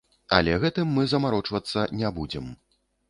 Але гэтым мы замарочвацца не будзем.